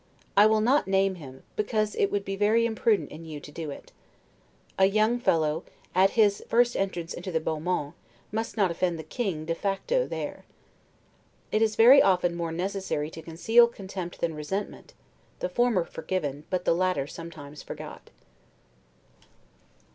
I will not name him, because it would be very imprudent in you to do it. A young fellow, at his first entrance into the 'beau monde', must not offend the king 'de facto' there. It is very often more necessary to conceal contempt than resentment, the former forgiven, but the latter sometimes forgot.